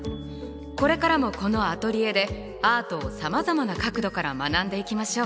これからもこのアトリエでアートをさまざまな角度から学んでいきましょう。